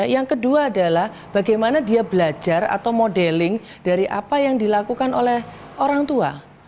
yang kedua adalah bagaimana dia belajar atau modeling dari apa yang dilakukan oleh orang tua